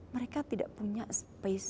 mereka tidak punya space